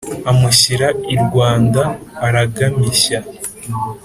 Amushyira i Rwanda aragamishya.